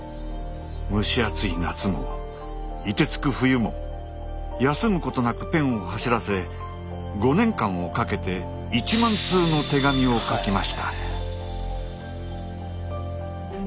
蒸し暑い夏も凍てつく冬も休むことなくペンを走らせ５年間をかけて１万通の手紙を書きました。